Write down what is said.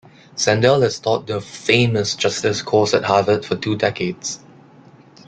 Sandel has taught the famous "Justice" course at Harvard for two decades.